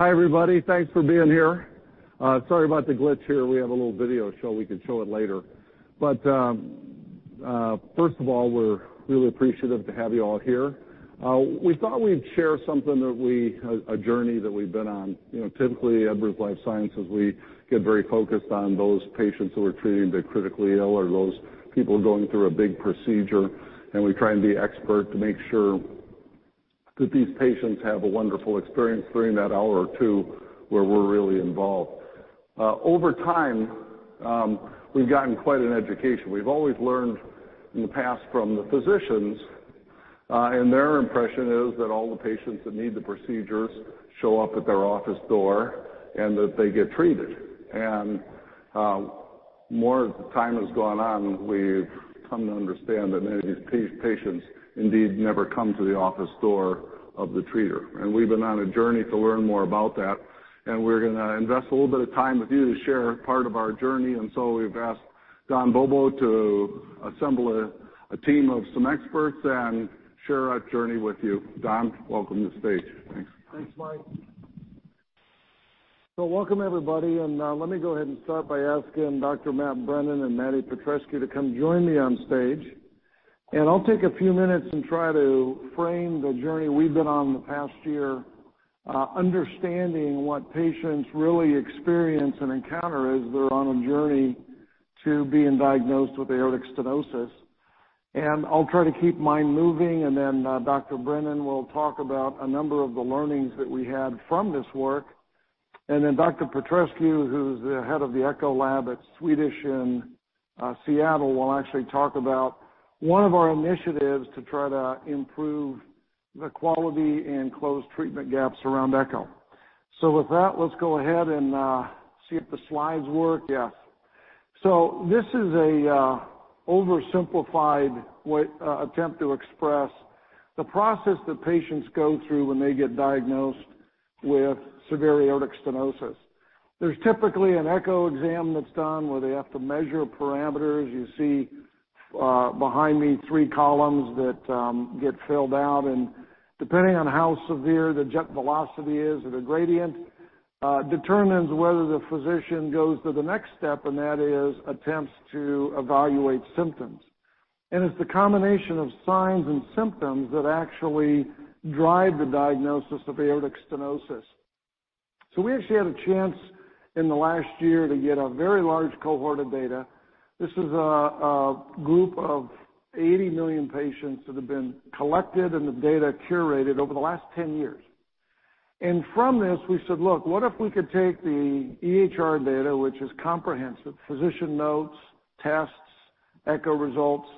Hi, everybody. Thanks for being here. Sorry about the glitch here. We have a little video show. We can show it later. First of all, we're really appreciative to have you all here. We thought we'd share something that a journey that we've been on. Typically, Edwards Lifesciences, we get very focused on those patients who are treating the critically ill or those people going through a big procedure, and we try and be expert to make sure that these patients have a wonderful experience during that one or two where we're really involved. Over time, we've gotten quite an education. We've always learned in the past from the physicians, and their impression is that all the patients that need the procedures show up at their office door and that they get treated. More as the time has gone on, we've come to understand that many of these patients indeed never come to the office door of the treater. We've been on a journey to learn more about that, and we're going to invest a little bit of time with you to share part of our journey. We've asked Don Bobo to assemble a team of some experts and share our journey with you. Don, welcome to the stage. Thanks. Thanks, Mike. Welcome, everybody, and let me go ahead and start by asking Dr. Matt Brennan and Maddie Petrescu to come join me on stage. I'll take a few minutes and try to frame the journey we've been on in the past year, understanding what patients really experience and encounter as they're on a journey to being diagnosed with aortic stenosis. I'll try to keep mine moving, then Dr. Brennan will talk about a number of the learnings that we had from this work. Then Dr. Petrescu, who's the head of the echo lab at Swedish in Seattle, will actually talk about one of our initiatives to try to improve the quality and close treatment gaps around echo. With that, let's go ahead and see if the slides work. Yes. This is an oversimplified attempt to express the process that patients go through when they get diagnosed with severe aortic stenosis. There's typically an echo exam that's done where they have to measure parameters. You see behind me three columns that get filled out, and depending on how severe the jet velocity is or the gradient, determines whether the physician goes to the next step, and that is attempts to evaluate symptoms. It's the combination of signs and symptoms that actually drive the diagnosis of aortic stenosis. We actually had a chance in the last year to get a very large cohort of data. This is a group of 80 million patients that have been collected and the data curated over the last 10 years. From this, we said, "Look, what if we could take the EHR data, which is comprehensive, physician notes, tests, echo results,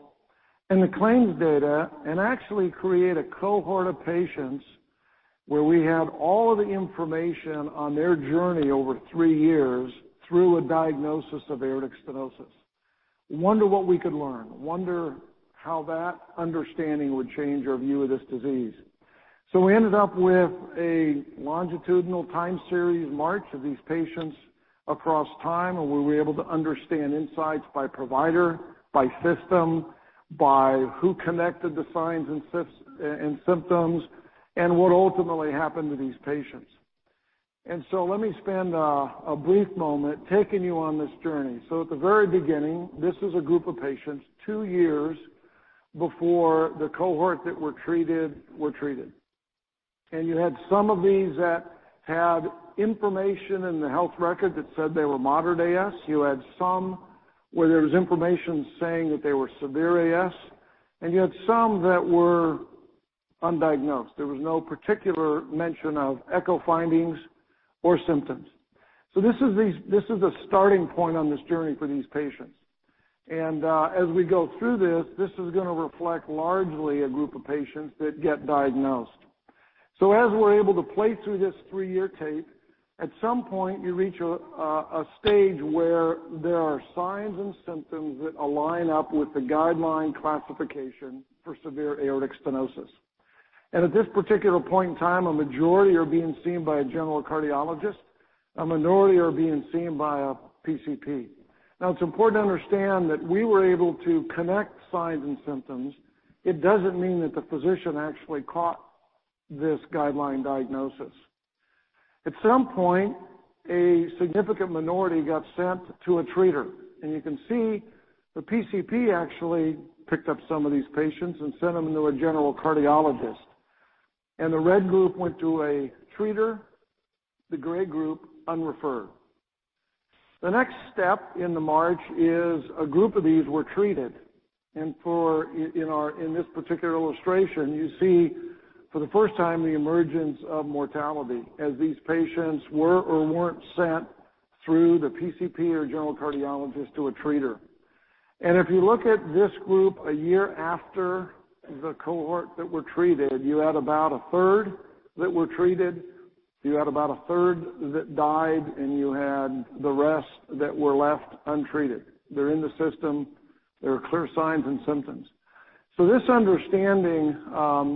and the claims data, and actually create a cohort of patients where we have all of the information on their journey over 3 years through a diagnosis of aortic stenosis. Wonder what we could learn. Wonder how that understanding would change our view of this disease." We ended up with a longitudinal time series march of these patients across time, and we were able to understand insights by provider, by system, by who connected the signs and symptoms, and what ultimately happened to these patients. Let me spend a brief moment taking you on this journey. At the very beginning, this is a group of patients 2 years before the cohort that were treated. You had some of these that had information in the health record that said they were moderate AS. You had some where there was information saying that they were severe AS, and you had some that were undiagnosed. There was no particular mention of echo findings or symptoms. This is the starting point on this journey for these patients. As we go through this is going to reflect largely a group of patients that get diagnosed. As we're able to play through this 3-year tape, at some point, you reach a stage where there are signs and symptoms that align up with the guideline classification for severe aortic stenosis. At this particular point in time, a majority are being seen by a general cardiologist. A minority are being seen by a PCP. Now, it's important to understand that we were able to connect signs and symptoms. It doesn't mean that the physician actually caught this guideline diagnosis. At some point, a significant minority got sent to a treater, and you can see the PCP actually picked up some of these patients and sent them to a general cardiologist. The red group went to a treater, the gray group unreferred. The next step in the march is a group of these were treated. In this particular illustration, you see for the first time the emergence of mortality as these patients were or weren't sent through the PCP or general cardiologist to a treater. If you look at this group a year after the cohort that were treated, you had about a third that were treated, you had about a third that died, and you had the rest that were left untreated. They're in the system. There are clear signs and symptoms. This understanding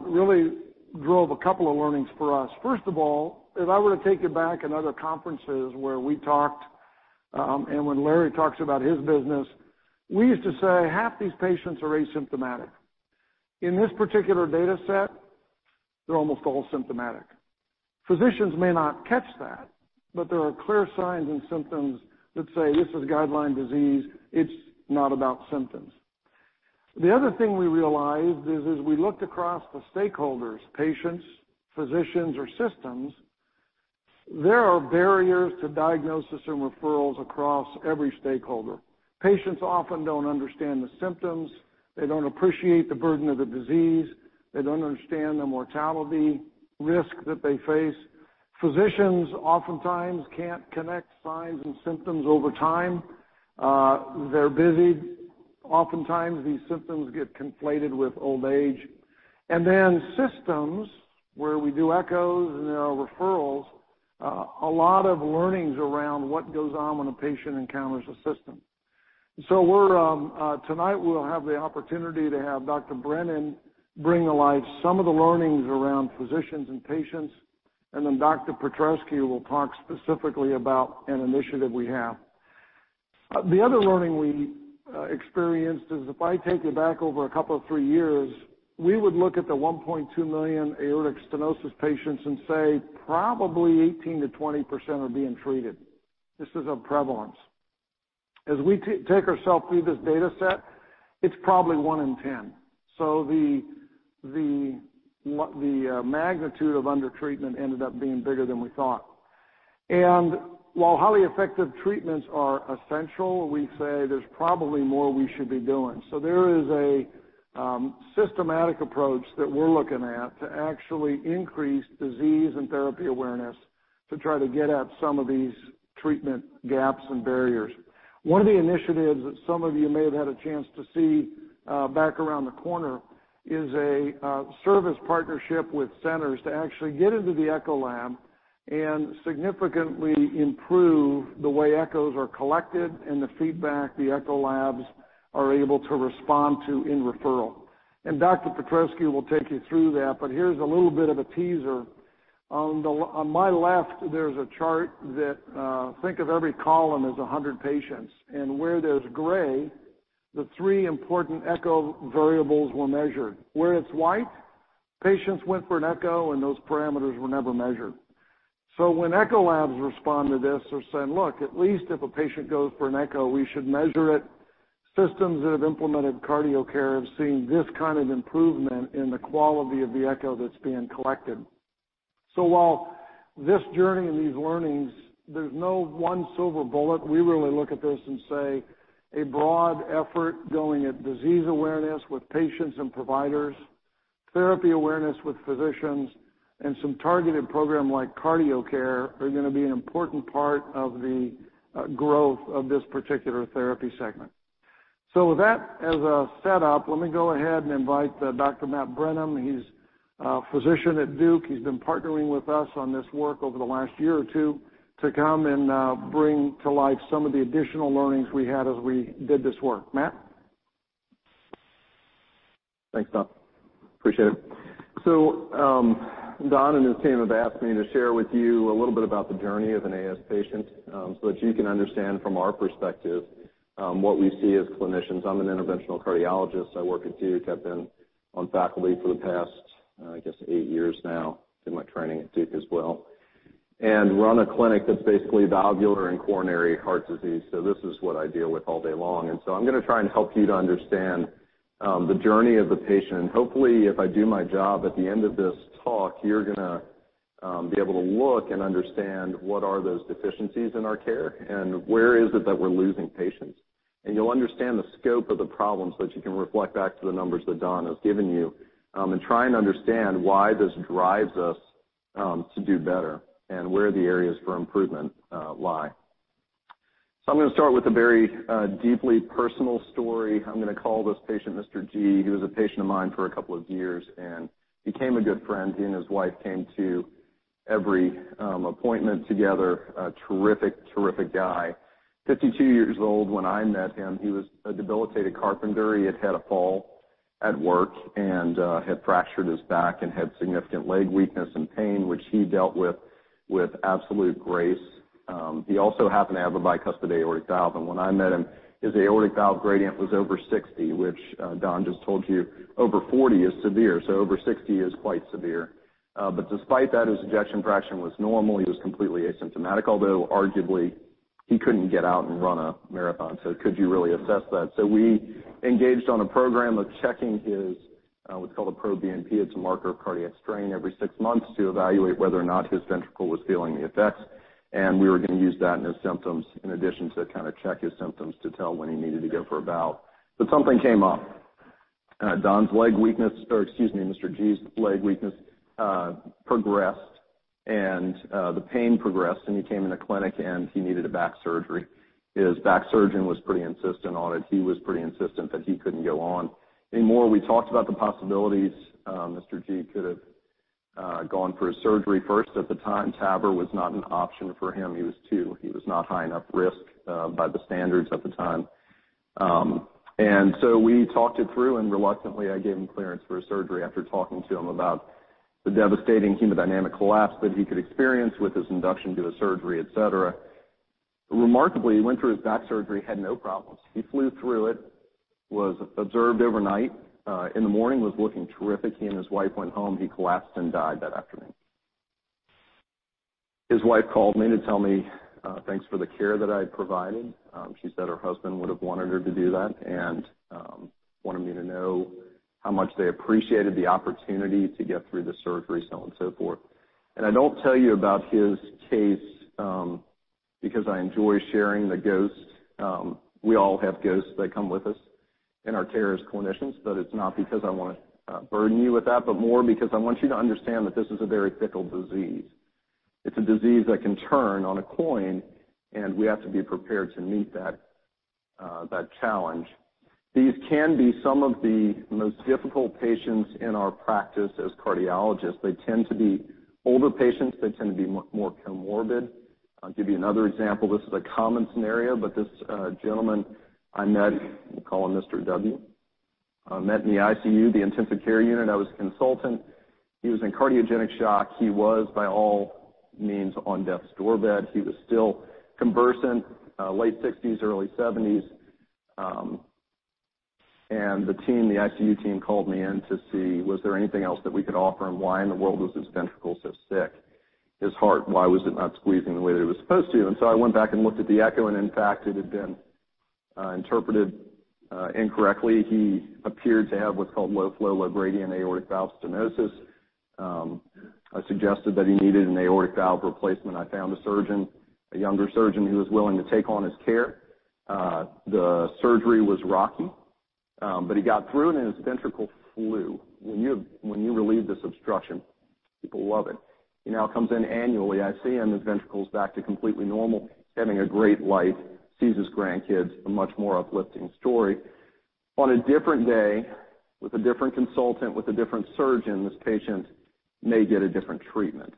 really drove a couple of learnings for us. First of all, if I were to take you back in other conferences where we talked and when Larry talks about his business, we used to say, "Half these patients are asymptomatic." In this particular data set, they're almost all symptomatic. Physicians may not catch that, but there are clear signs and symptoms that say this is guideline disease. It's not about symptoms. The other thing we realized is as we looked across the stakeholders, patients, physicians, or systems, there are barriers to diagnosis and referrals across every stakeholder. Patients often don't understand the symptoms. They don't appreciate the burden of the disease. They don't understand the mortality risk that they face. Physicians oftentimes can't connect signs and symptoms over time. They're busy. Oftentimes, these symptoms get conflated with old age. Systems where we do echoes and there are referrals, a lot of learnings around what goes on when a patient encounters a system. Tonight we'll have the opportunity to have Dr. Brennan bring to life some of the learnings around physicians and patients, and then Dr. Petrescu will talk specifically about an initiative we have. The other learning we experienced is if I take you back over a couple of three years, we would look at the 1.2 million aortic stenosis patients and say probably 18%-20% are being treated. This is a prevalence. As we take ourself through this data set, it's probably one in 10. The magnitude of undertreatment ended up being bigger than we thought. While highly effective treatments are essential, we say there's probably more we should be doing. There is a systematic approach that we're looking at to actually increase disease and therapy awareness to try to get at some of these treatment gaps and barriers. One of the initiatives that some of you may have had a chance to see back around the corner is a service partnership with centers to actually get into the echo lab and significantly improve the way echoes are collected and the feedback the echo labs are able to respond to in referral. Dr. Petrescu will take you through that, but here's a little bit of a teaser. On my left, there's a chart that think of every column as 100 patients. Where there's gray, the three important echo variables were measured. Where it's white, patients went for an echo, and those parameters were never measured. When echo labs respond to this or say, "Look, at least if a patient goes for an echo, we should measure it," systems that have implemented CardioCare have seen this kind of improvement in the quality of the echo that's being collected. While this journey and these learnings, there's no one silver bullet. We really look at this and say a broad effort going at disease awareness with patients and providers, therapy awareness with physicians, and some targeted program like CardioCare are going to be an important part of the growth of this particular therapy segment. With that as a setup, let me go ahead and invite Dr. Matt Brennan, he's a physician at Duke. He's been partnering with us on this work over the last year or two to come and bring to life some of the additional learnings we had as we did this work. Matt? Thanks, Don. Appreciate it. Don and his team have asked me to share with you a little bit about the journey of an AS patient so that you can understand from our perspective what we see as clinicians. I'm an interventional cardiologist. I work at Duke. I've been on faculty for the past, I guess 8 years now. Did my training at Duke as well. Run a clinic that's basically valvular and coronary heart disease. This is what I deal with all day long. I'm going to try and help you to understand the journey of the patient. Hopefully, if I do my job, at the end of this talk, you're going to be able to look and understand what are those deficiencies in our care and where is it that we're losing patients. You'll understand the scope of the problems so that you can reflect back to the numbers that Don has given you and try and understand why this drives us to do better and where the areas for improvement lie. I'm going to start with a very deeply personal story. I'm going to call this patient Mr. G. He was a patient of mine for a couple of years and became a good friend. He and his wife came to every appointment together. A terrific guy. 52 years old when I met him. He was a debilitated carpenter. He had had a fall at work and had fractured his back and had significant leg weakness and pain, which he dealt with absolute grace. He also happened to have a bicuspid aortic valve, and when I met him, his aortic valve gradient was over 60, which Don just told you over 40 is severe. Over 60 is quite severe. Despite that, his ejection fraction was normal. He was completely asymptomatic, although arguably he couldn't get out and run a marathon. Could you really assess that? We engaged on a program of checking his what's called a proBNP. It's a marker of cardiac strain every 6 months to evaluate whether or not his ventricle was feeling the effects. We were going to use that in his symptoms in addition to check his symptoms to tell when he needed to go for a valve. Something came up. Mr. G's leg weakness progressed, the pain progressed, he came in the clinic, and he needed a back surgery. His back surgeon was pretty insistent on it. He was pretty insistent that he couldn't go on anymore. We talked about the possibilities. Mr. G could have gone for his surgery first. At the time, TAVR was not an option for him. He was not high enough risk by the standards at the time. We talked it through, and reluctantly, I gave him clearance for his surgery after talking to him about the devastating hemodynamic collapse that he could experience with his induction to his surgery, et cetera. Remarkably, he went through his back surgery, had no problems. He flew through it, was observed overnight. In the morning, was looking terrific. He and his wife went home. He collapsed and died that afternoon. His wife called me to tell me thanks for the care that I had provided. She said her husband would have wanted her to do that, and wanted me to know how much they appreciated the opportunity to get through the surgery, so on and so forth. I don't tell you about his case because I enjoy sharing the ghosts. We all have ghosts that come with us in our care as clinicians. It's not because I want to burden you with that, but more because I want you to understand that this is a very fickle disease. It's a disease that can turn on a coin, and we have to be prepared to meet that challenge. These can be some of the most difficult patients in our practice as cardiologists. They tend to be older patients. They tend to be more comorbid. I'll give you another example. This is a common scenario, but this gentleman I met, we'll call him Mr. W. I met in the ICU, the intensive care unit. I was a consultant. He was in cardiogenic shock. He was, by all means, on death's door bed. He was still conversant, late 60s, early 70s. The team, the ICU team, called me in to see was there anything else that we could offer him. Why in the world was his ventricle so sick? His heart, why was it not squeezing the way that it was supposed to? I went back and looked at the echo, and in fact, it had been interpreted incorrectly. He appeared to have what's called low-flow, low-gradient aortic valve stenosis. I suggested that he needed an aortic valve replacement. I found a surgeon, a younger surgeon, who was willing to take on his care. The surgery was rocky, but he got through, and his ventricle flew. When you relieve this obstruction, people love it. He now comes in annually. I see him. His ventricle's back to completely normal. He's having a great life, sees his grandkids. A much more uplifting story. On a different day, with a different consultant, with a different surgeon, this patient may get a different treatment.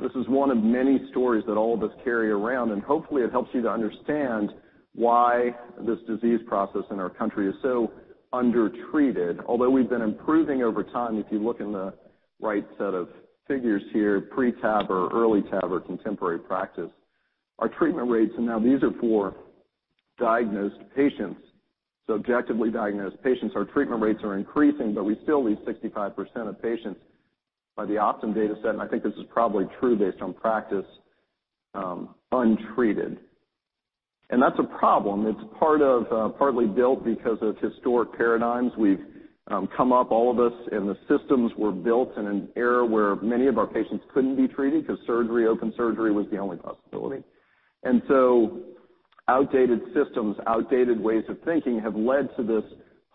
This is one of many stories that all of us carry around, hopefully it helps you to understand why this disease process in our country is so undertreated. Although we've been improving over time, if you look in the right set of figures here, pre-TAVR, early TAVR, contemporary practice. Our treatment rates, and now these are for diagnosed patients, so objectively diagnosed patients. Our treatment rates are increasing, we still leave 65% of patients by the Optum data set, and I think this is probably true based on practice, untreated. That's a problem. It's partly built because of historic paradigms. We've come up, all of us, and the systems were built in an era where many of our patients couldn't be treated because surgery, open surgery, was the only possibility. Outdated systems, outdated ways of thinking, have led to this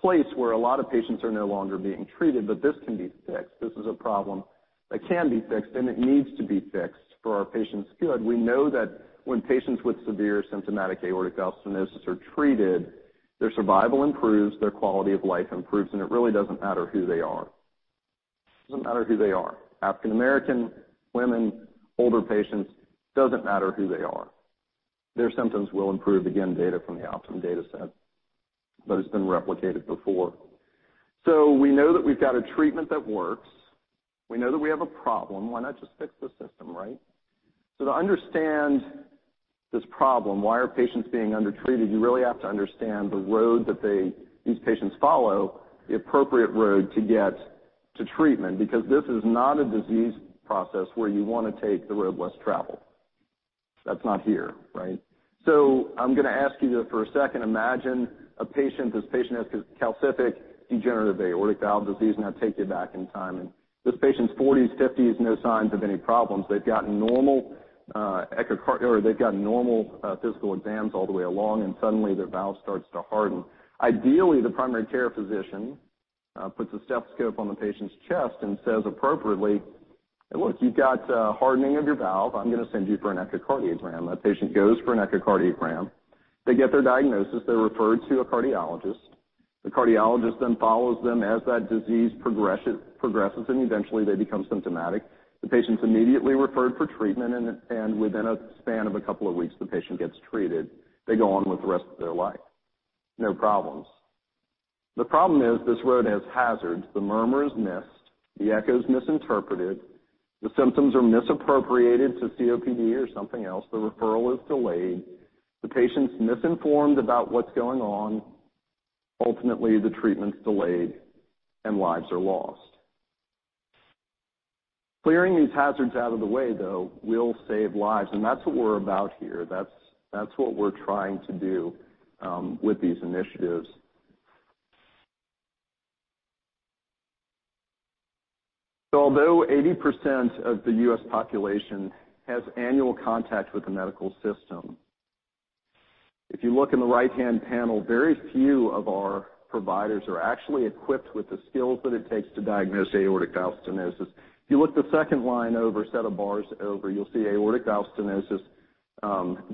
place where a lot of patients are no longer being treated, this can be fixed. This is a problem that can be fixed, and it needs to be fixed for our patients' good. We know that when patients with severe symptomatic aortic valve stenosis are treated, their survival improves, their quality of life improves, and it really doesn't matter who they are. It doesn't matter who they are. African American, women, older patients, doesn't matter who they are. Their symptoms will improve. Again, data from the Optum data set, but it's been replicated before. We know that we've got a treatment that works. We know that we have a problem. Why not just fix the system, right? To understand this problem, why are patients being undertreated, you really have to understand the road that these patients follow, the appropriate road to get to treatment, because this is not a disease process where you want to take the road less traveled. That's not here, right? I'm going to ask you to, for a second, imagine a patient. This patient has calcific degenerative aortic valve disease, and I take you back in time. This patient's 40s, 50s, no signs of any problems. They've got normal physical exams all the way along, suddenly their valve starts to harden. Ideally, the primary care physician puts a stethoscope on the patient's chest and says appropriately, "Look, you've got hardening of your valve. I'm going to send you for an echocardiogram." That patient goes for an echocardiogram. They get their diagnosis. They're referred to a cardiologist. The cardiologist then follows them as that disease progresses, eventually they become symptomatic. The patient's immediately referred for treatment, within a span of a couple of weeks, the patient gets treated. They go on with the rest of their life. No problems. The problem is this road has hazards. The murmur is missed. The echo's misinterpreted. The symptoms are misappropriated to COPD or something else. The referral is delayed. The patient's misinformed about what's going on. Ultimately, the treatment's delayed and lives are lost. Clearing these hazards out of the way, though, will save lives, that's what we're about here. That's what we're trying to do with these initiatives. Although 80% of the U.S. population has annual contact with the medical system, if you look in the right-hand panel, very few of our providers are actually equipped with the skills that it takes to diagnose aortic valve stenosis. If you look the second line over, set of bars over, you'll see aortic valve stenosis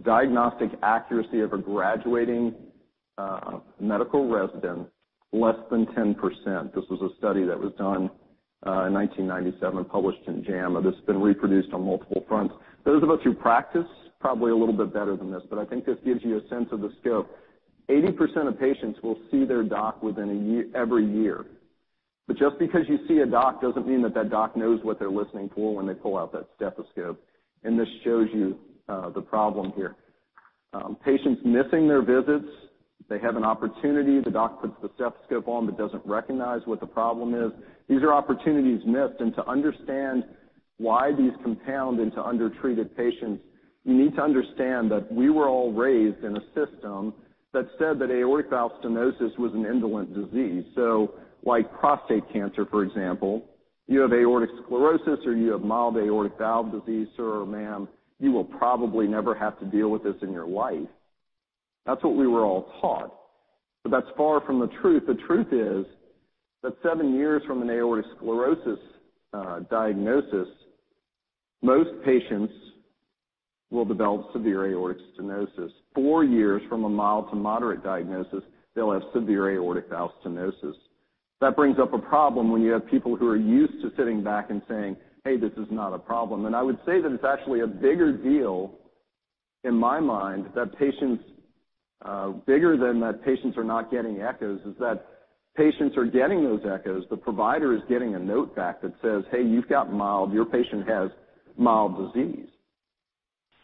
diagnostic accuracy of a graduating medical resident, less than 10%. This was a study that was done in 1997, published in JAMA, that's been reproduced on multiple fronts. Those of us who practice, probably a little bit better than this, but I think this gives you a sense of the scope. 80% of patients will see their doc every year. Just because you see a doc doesn't mean that that doc knows what they're listening for when they pull out that stethoscope. This shows you the problem here. Patients missing their visits, they have an opportunity. The doc puts the stethoscope on but doesn't recognize what the problem is. These are opportunities missed. To understand why these compound into undertreated patients, you need to understand that we were all raised in a system that said that aortic valve stenosis was an indolent disease. Like prostate cancer, for example, you have aortic sclerosis, or you have mild aortic valve disease, sir or ma'am, you will probably never have to deal with this in your life. That's what we were all taught. That's far from the truth. The truth is that seven years from an aortic sclerosis diagnosis, most patients will develop severe aortic stenosis. Four years from a mild to moderate diagnosis, they'll have severe aortic valve stenosis. That brings up a problem when you have people who are used to sitting back and saying, "Hey, this is not a problem." I would say that it's actually a bigger deal in my mind, bigger than that patients are not getting echoes, is that patients are getting those echoes. The provider is getting a note back that says, "Hey, you've got mild. Your patient has mild disease."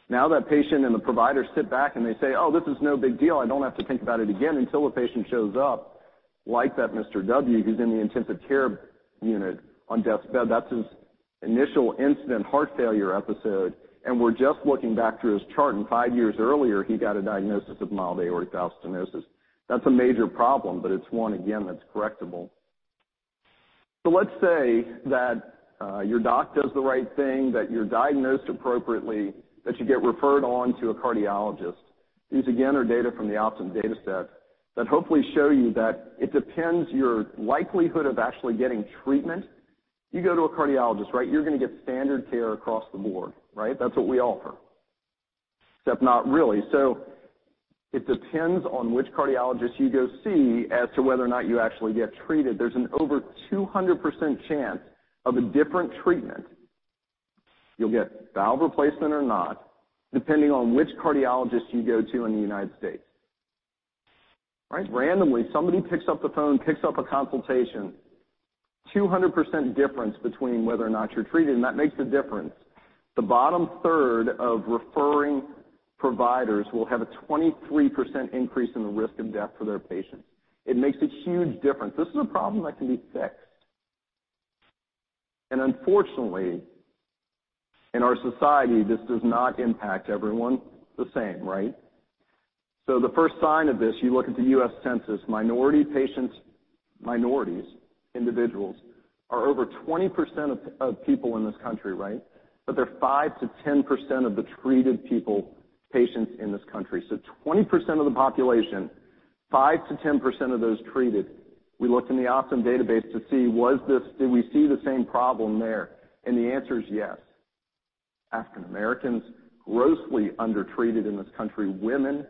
Now that patient and the provider sit back and they say, "Oh, this is no big deal. I don't have to think about it again" until the patient shows up like that Mr. W, who's in the intensive care unit on death's bed. That's his initial incident heart failure episode, and we're just looking back through his chart, and five years earlier, he got a diagnosis of mild aortic valve stenosis. That's a major problem, but it's one, again, that's correctable. Let's say that your doc does the right thing, that you're diagnosed appropriately, that you get referred on to a cardiologist. These, again, are data from the Optum dataset that hopefully show you that it depends your likelihood of actually getting treatment. You go to a cardiologist, you're going to get standard care across the board. That's what we offer. Except not really. It depends on which cardiologist you go see as to whether or not you actually get treated. There's an over 200% chance of a different treatment. You'll get valve replacement or not, depending on which cardiologist you go to in the United States. Randomly, somebody picks up the phone, picks up a consultation, 200% difference between whether or not you're treated, and that makes a difference. The bottom third of referring providers will have a 23% increase in the risk of death for their patients. It makes a huge difference. This is a problem that can be fixed. Unfortunately, in our society, this does not impact everyone the same. The first sign of this, you look at the U.S. Census, minority patients, minorities, individuals, are over 20% of people in this country. They're 5%-10% of the treated people, patients in this country. 20% of the population, 5%-10% of those treated. We looked in the Optum database to see, did we see the same problem there? The answer is yes. African Americans, grossly undertreated in this country. Women,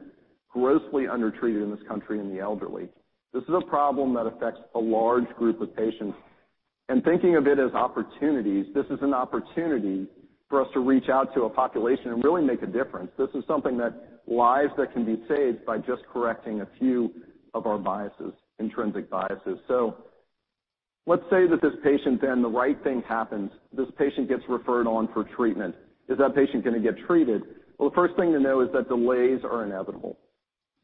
grossly undertreated in this country, and the elderly. This is a problem that affects a large group of patients. Thinking of it as opportunities, this is an opportunity for us to reach out to a population and really make a difference. This is something that lives that can be saved by just correcting a few of our biases, intrinsic biases. Let's say that this patient, the right thing happens. This patient gets referred on for treatment. Is that patient going to get treated? Well, the first thing to know is that delays are inevitable.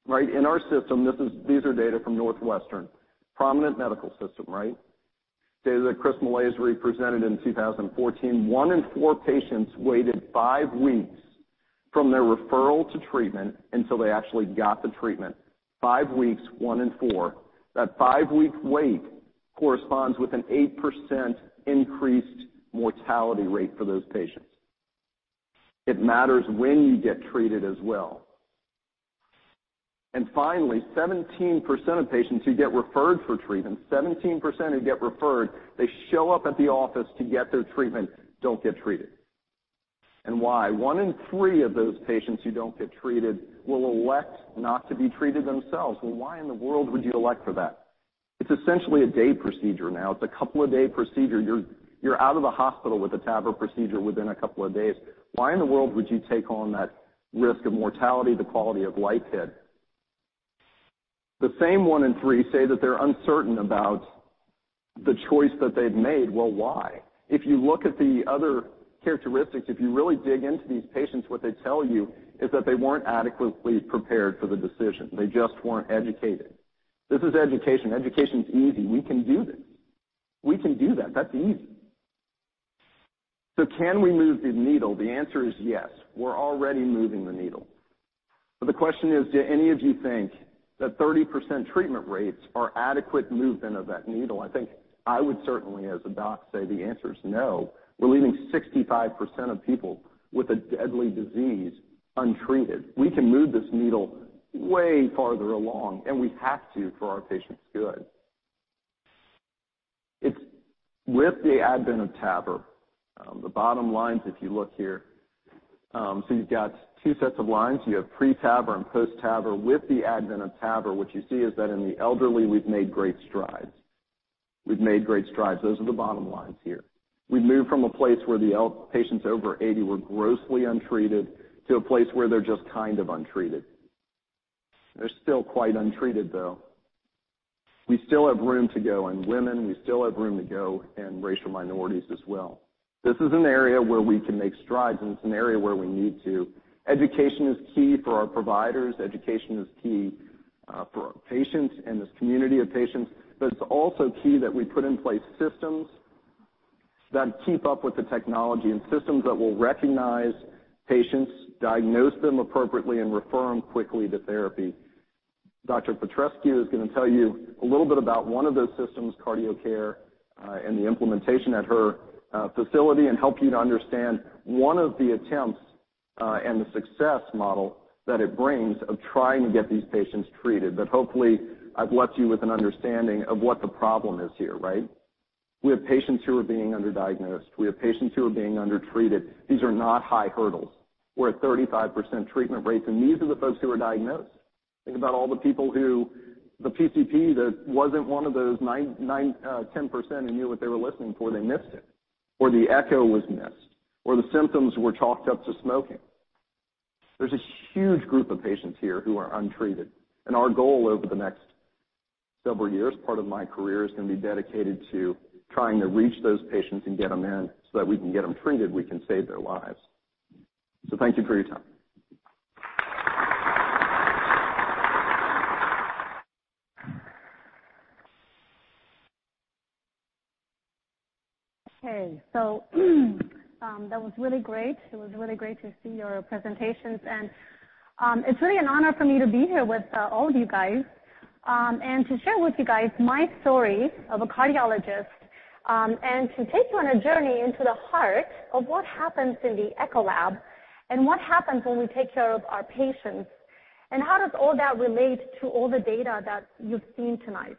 In our system, these are data from Northwestern, prominent medical system. Data that Chris Malaisrie presented in 2014. One in four patients waited five weeks from their referral to treatment until they actually got the treatment. Five weeks, one in four. That five-week wait corresponds with an 8% increased mortality rate for those patients. It matters when you get treated as well. Finally, 17% of patients who get referred for treatment, 17% who get referred, they show up at the office to get their treatment, don't get treated. Why? One in three of those patients who don't get treated will elect not to be treated themselves. Why in the world would you elect for that? It's essentially a day procedure now. It's a couple of day procedure. You're out of the hospital with a TAVR procedure within a couple of days. Why in the world would you take on that risk of mortality, the quality of life hit? The same one in three say that they're uncertain about the choice that they've made. Why? If you look at the other characteristics, if you really dig into these patients, what they tell you is that they weren't adequately prepared for the decision. They just weren't educated. This is education. Education's easy. We can do this. We can do that. That's easy. Can we move the needle? The answer is yes. We're already moving the needle. The question is, do any of you think that 30% treatment rates are adequate movement of that needle? I think I would certainly, as a doc, say the answer is no. We're leaving 65% of people with a deadly disease untreated. We can move this needle way farther along, and we have to for our patients' good. With the advent of TAVR, the bottom lines, if you look here. You've got two sets of lines. You have pre-TAVR and post-TAVR. With the advent of TAVR, what you see is that in the elderly, we've made great strides. We've made great strides. Those are the bottom lines here. We've moved from a place where the patients over 80 were grossly untreated to a place where they're just kind of untreated. They're still quite untreated, though. We still have room to go in women. We still have room to go in racial minorities as well. This is an area where we can make strides, and it's an area where we need to. Education is key for our providers. Education is key for our patients and this community of patients. It's also key that we put in place systems that keep up with the technology, and systems that will recognize patients, diagnose them appropriately, and refer them quickly to therapy. Dr. Petrescu is going to tell you a little bit about one of those systems, CardioCare, and the implementation at her facility, and help you to understand one of the attempts, and the success model that it brings of trying to get these patients treated. Hopefully I've left you with an understanding of what the problem is here. We have patients who are being under-diagnosed. We have patients who are being under-treated. These are not high hurdles. We're at 35% treatment rates, and these are the folks who are diagnosed. Think about all the people who the PCP that wasn't one of those 10% and knew what they were listening for, they missed it. Or the echo was missed, or the symptoms were chalked up to smoking. There's a huge group of patients here who are untreated, and our goal over the next several years, part of my career, is going to be dedicated to trying to reach those patients and get them in so that we can get them treated, we can save their lives. Thank you for your time. Okay. That was really great. It was really great to see your presentations, it's really an honor for me to be here with all of you guys, to share with you guys my story of a cardiologist, to take you on a journey into the heart of what happens in the echo lab, what happens when we take care of our patients, how does all that relate to all the data that you've seen tonight,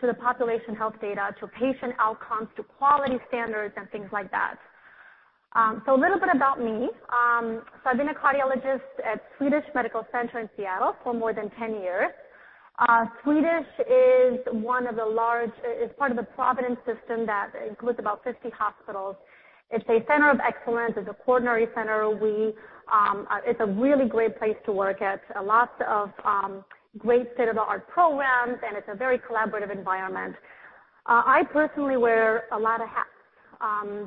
to the population health data, to patient outcomes, to quality standards, and things like that. A little bit about me. I've been a cardiologist at Swedish Medical Center in Seattle for more than 10 years. Swedish is part of the Providence system that includes about 50 hospitals. It's a center of excellence. It's a coronary center. It's a really great place to work at. A lot of great state-of-the-art programs, it's a very collaborative environment. I personally wear a lot of hats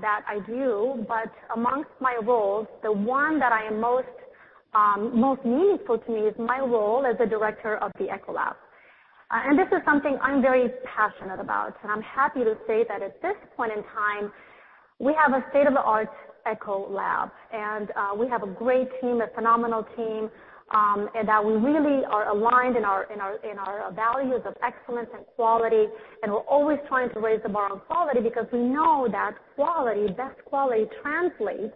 that I do, but amongst my roles, the one that is most meaningful to me is my role as a director of the echo lab. This is something I'm very passionate about, I'm happy to say that at this point in time, we have a state-of-the-art echo lab, we have a great team, a phenomenal team, that we really are aligned in our values of excellence and quality. We're always trying to raise the bar on quality because we know that best quality translates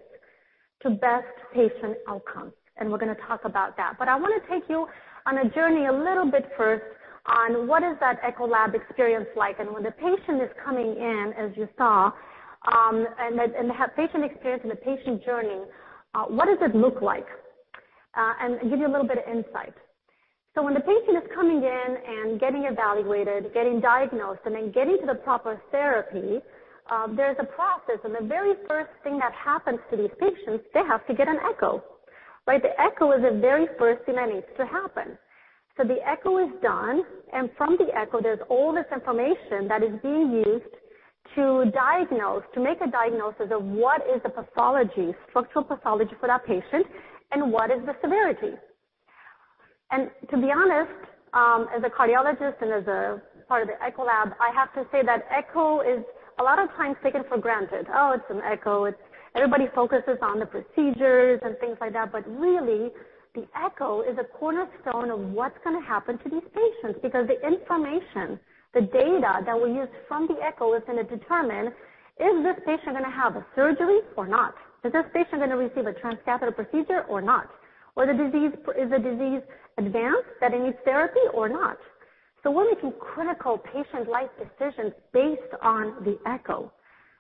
to best patient outcomes. We're going to talk about that. I want to take you on a journey a little bit first on what is that echo lab experience like, when the patient is coming in, as you saw, the patient experience and the patient journey, what does it look like? Give you a little bit of insight. When the patient is coming in and getting evaluated, getting diagnosed, then getting to the proper therapy, there's a process, the very first thing that happens to these patients, they have to get an echo. The echo is the very first thing that needs to happen. The echo is done, from the echo, there's all this information that is being used to make a diagnosis of what is the structural pathology for that patient and what is the severity. To be honest, as a cardiologist and as a part of the echo lab, I have to say that echo is a lot of times taken for granted. Oh, it's an echo. Everybody focuses on the procedures and things like that, really, the echo is a cornerstone of what's going to happen to these patients because the information, the data that we use from the echo is going to determine, is this patient going to have a surgery or not? Is this patient going to receive a transcatheter procedure or not? Or is the disease advanced that it needs therapy or not? We're making critical patient life decisions based on the echo.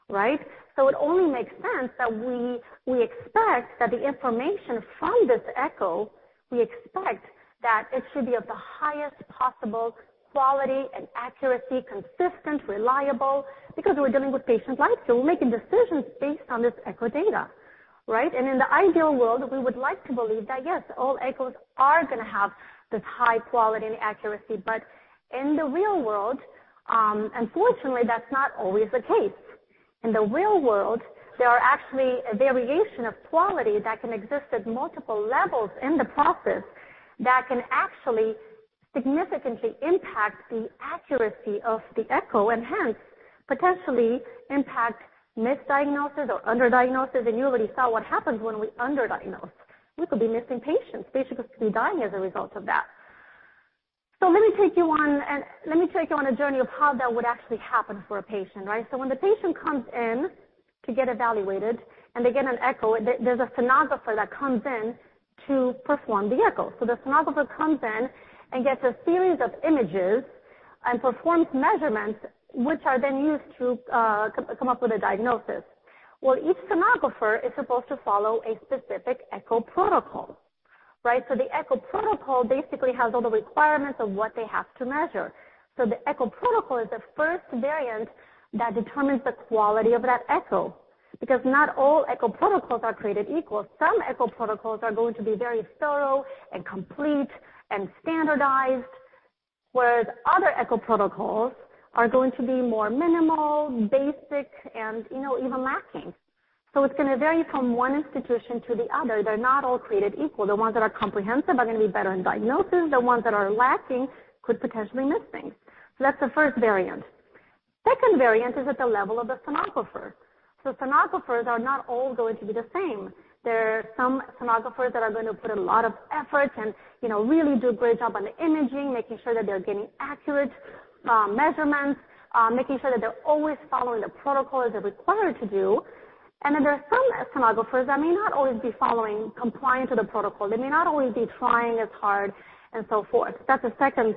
It only makes sense that we expect that the information from this echo, we expect that it should be of the highest possible quality and accuracy, consistent, reliable, because we're dealing with patient life. We're making decisions based on this echo data. In the ideal world, we would like to believe that, yes, all echoes are going to have this high quality and accuracy. In the real world, unfortunately, that's not always the case. In the real world, there are actually a variation of quality that can exist at multiple levels in the process that can actually significantly impact the accuracy of the echo, and hence, potentially impact misdiagnosis or under-diagnosis. You already saw what happens when we under-diagnose. We could be missing patients. Patients could be dying as a result of that. Let me take you on a journey of how that would actually happen for a patient. When the patient comes in to get evaluated and they get an echo, there's a sonographer that comes in to perform the echo. The sonographer comes in and gets a series of images and performs measurements, which are then used to come up with a diagnosis. Well, each sonographer is supposed to follow a specific echo protocol. The echo protocol basically has all the requirements of what they have to measure. The echo protocol is the first variant that determines the quality of that echo. Because not all echo protocols are created equal. Some echo protocols are going to be very thorough and complete and standardized, whereas other echo protocols are going to be more minimal, basic, and even lacking. It's going to vary from one institution to the other. They're not all created equal. The ones that are comprehensive are going to be better in diagnosis. The ones that are lacking could potentially miss things. That's the first variant. The second variant is at the level of the sonographer. Sonographers are not all going to be the same. There are some sonographers that are going to put a lot of effort and really do a great job on the imaging, making sure that they're getting accurate measurements, making sure that they're always following the protocol as they're required to do, and then there are some sonographers that may not always be compliant to the protocol. They may not always be trying as hard, and so forth. That's the second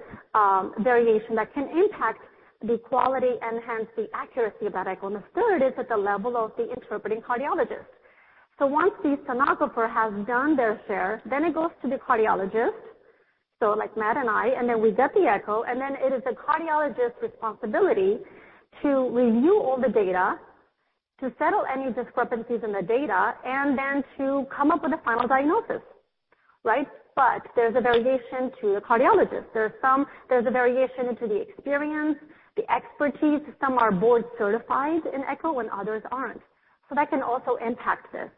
variation that can impact the quality and hence the accuracy of that echo. The third is at the level of the interpreting cardiologist. Once the sonographer has done their share, then it goes to the cardiologist, like Matt and I, and then we get the echo, and then it is the cardiologist's responsibility to review all the data, to settle any discrepancies in the data, and then to come up with a final diagnosis. There's a variation to the cardiologist. There's a variation to the experience, the expertise. Some are board-certified in echo, and others aren't. That can also impact this.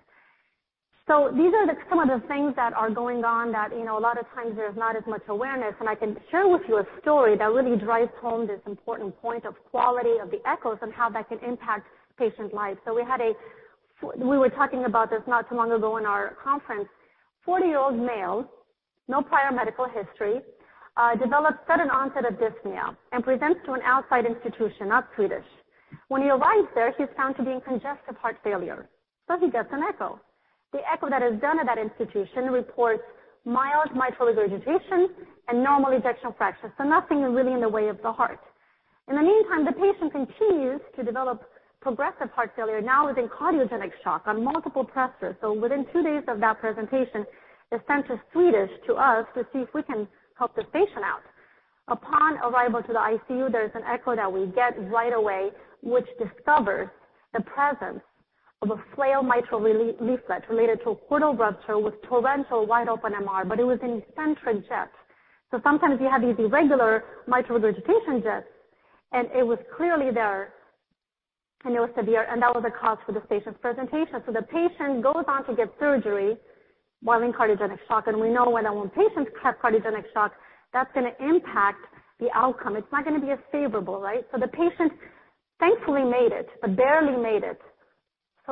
These are some of the things that are going on that, a lot of times, there's not as much awareness, and I can share with you a story that really drives home this important point of quality of the echoes and how that can impact patients' lives. We were talking about this not too long ago in our conference. 40-year-old male, no prior medical history, developed sudden onset of dyspnea and presents to an outside institution, not Swedish. When he arrives there, he's found to be in congestive heart failure. He gets an echo. The echo that is done at that institution reports mild mitral regurgitation and normal ejection fraction. Nothing is really in the way of the heart. In the meantime, the patient continues to develop progressive heart failure, now is in cardiogenic shock on multiple pressors. Within 2 days of that presentation, is sent to Swedish, to us, to see if we can help the patient out. Upon arrival to the ICU, there's an echo that we get right away, which discovers the presence of a flail mitral leaflet related to a chordal rupture with torrential wide open MR, but it was in eccentric jets. Sometimes you have these irregular mitral regurgitation jets, and it was clearly there, and it was severe, and that was the cause for this patient's presentation. The patient goes on to get surgery while in cardiogenic shock, and we know that when patients have cardiogenic shock, that's going to impact the outcome. It's not going to be as favorable. The patient thankfully made it, but barely made it.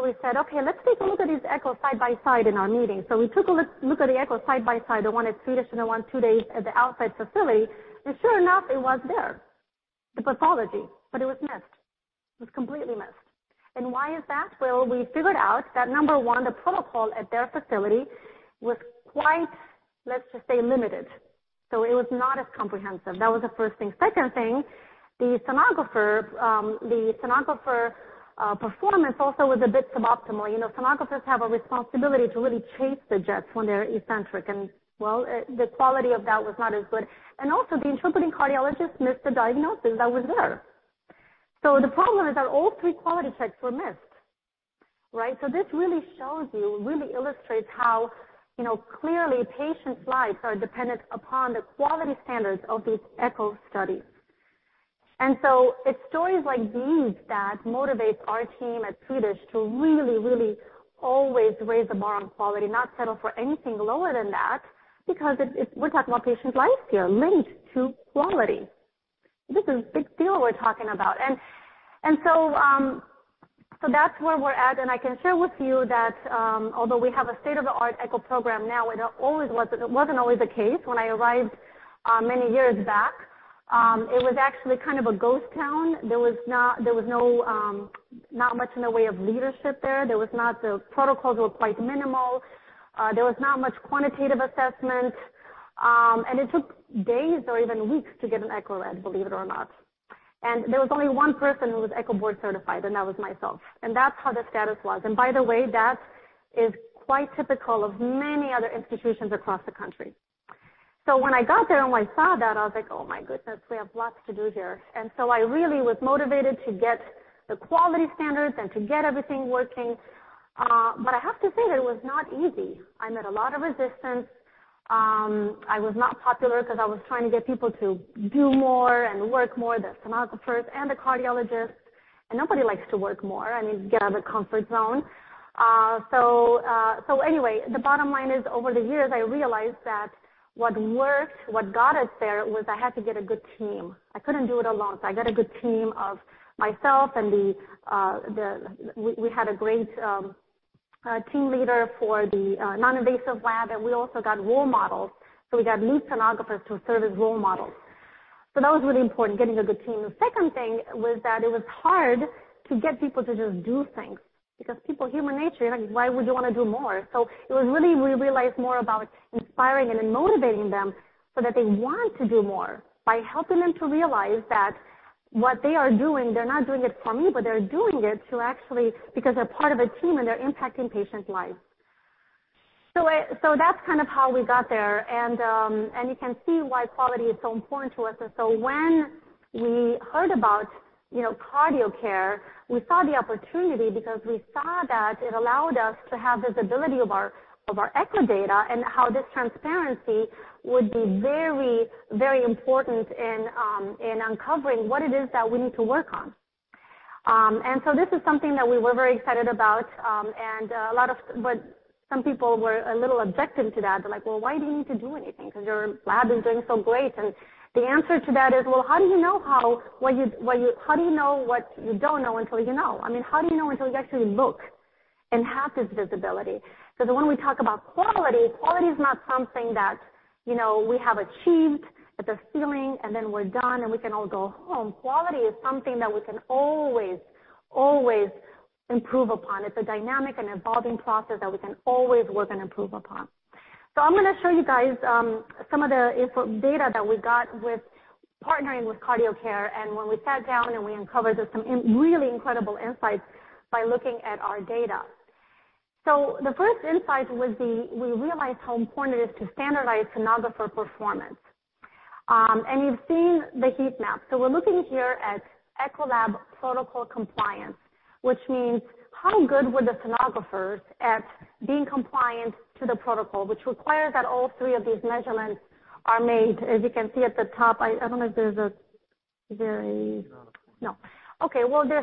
We said, "Okay, let's take a look at these echoes side by side in our meeting." We took a look at the echo side by side, the one at Swedish and the one 2 days at the outside facility, and sure enough, it was there, the pathology, but it was missed. It was completely missed. Why is that? We figured out that, number 1, the protocol at their facility was quite, let's just say, limited. It was not as comprehensive. That was the 1st thing. 2nd thing, the sonographer performance also was a bit suboptimal. Sonographers have a responsibility to really chase the jets when they're eccentric, and the quality of that was not as good. Also, the interpreting cardiologist missed the diagnosis that was there. The problem is that all 3 quality checks were missed. This really shows you, really illustrates how clearly patients' lives are dependent upon the quality standards of these echo studies. It's stories like these that motivate our team at Swedish to really, really always raise the bar on quality, not settle for anything lower than that, because we're talking about patients' lives here, linked to quality. This is a big deal we're talking about. That's where we're at, I can share with you that although we have a state-of-the-art echo program now, it wasn't always the case. When I arrived many years back, it was actually kind of a ghost town. There was not much in the way of leadership there. The protocols were quite minimal. There was not much quantitative assessment. It took days or even weeks to get an echo read, believe it or not. There was only one person who was echo board-certified, and that was myself. That's how the status was. By the way, that is quite typical of many other institutions across the country. When I got there and when I saw that, I was like, "Oh my goodness, we have lots to do here." I really was motivated to get the quality standards and to get everything working. I have to say, that it was not easy. I met a lot of resistance. I was not popular because I was trying to get people to do more and work more, the sonographers and the cardiologists, nobody likes to work more and get out of their comfort zone. Anyway, the bottom line is, over the years, I realized that what worked, what got us there, was I had to get a good team. I couldn't do it alone. I got a good team of myself and we had a great team leader for the non-invasive lab, we also got role models. We got new sonographers to serve as role models. That was really important, getting a good team. The second thing was that it was hard to get people to just do things because people, human nature, you're like, "Why would you want to do more?" It was really, we realized more about inspiring and motivating them so that they want to do more by helping them to realize that what they are doing, they're not doing it for me, but they're doing it to actually because they're part of a team and they're impacting patients' lives. That's kind of how we got there, you can see why quality is so important to us. When we heard about CardioCare, we saw the opportunity because we saw that it allowed us to have visibility of our echo data and how this transparency would be very important in uncovering what it is that we need to work on. This is something that we were very excited about, some people were a little objective to that. They're like, "Well, why do you need to do anything? Because your lab is doing so great." The answer to that is, well, how do you know what you don't know until you know? I mean, how do you know until you actually look and have this visibility? Because when we talk about quality is not something that we have achieved at the ceiling, then we're done, and we can all go home. Quality is something that we can always improve upon. It's a dynamic and evolving process that we can always work and improve upon. I'm going to show you guys some of the data that we got with partnering with CardioCare. When we sat down and we uncovered some really incredible insights by looking at our data. The first insight was we realized how important it is to standardize sonographer performance. You've seen the heat map. We're looking here at echo lab protocol compliance, which means how good were the sonographers at being compliant to the protocol, which requires that all three of these measurements are made. As you can see at the top, there's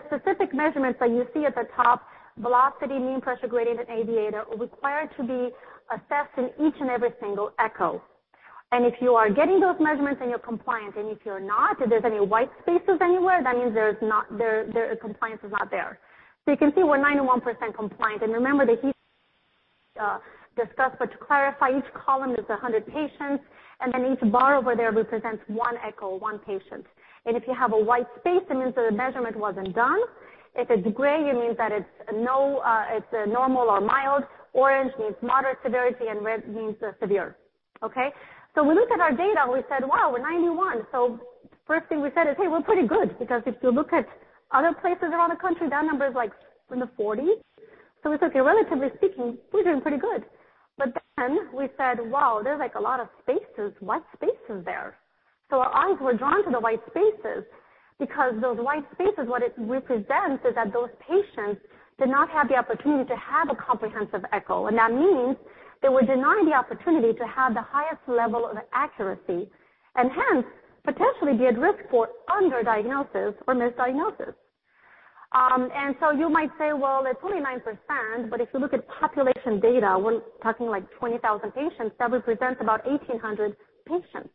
specific measurements that you see at the top, velocity, mean pressure gradient, and AVA are required to be assessed in each and every single echo. If you are getting those measurements, then you're compliant, and if you're not, if there's any white spaces anywhere, that means compliance is not there. You can see we're 91% compliant. Remember the heat discussed. To clarify, each column is 100 patients, and then each bar over there represents one echo, one patient. If you have a white space, it means that a measurement wasn't done. If it's gray, it means that it's normal or mild, orange means moderate severity, and red means severe. Okay. We looked at our data and we said, "Wow, we're 91." First thing we said is, "Hey, we're pretty good." Because if you look at other places around the country, that number is like in the 40s. We said, "Okay, relatively speaking, we're doing pretty good." We said, "Wow, there's a lot of white spaces there." Our eyes were drawn to the white spaces because those white spaces, what it represents is that those patients did not have the opportunity to have a comprehensive echo. That means they were denied the opportunity to have the highest level of accuracy and hence potentially be at risk for underdiagnosis or misdiagnosis. You might say, well, it's only 9%, but if you look at population data, we're talking like 20,000 patients. That represents about 1,800 patients.